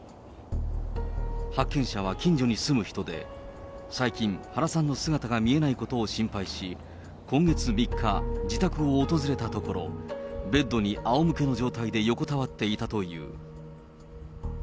発見者は近所に住む人で、最近、原さんの姿が見えないことを心配し、今月３日、自宅を訪れたところ、ベッドにあおむけの状態で横たわっていたという。